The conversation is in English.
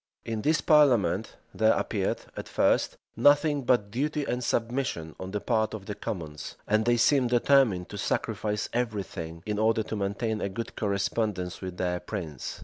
[] {1621.} In this parliament there appeared, at first, nothing but duty and submission on the part of the commons; and they seemed determined to sacrifice every thing, in order to maintain a good correspondence with their prince.